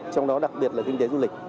trong đó đặc biệt là kinh tế du lịch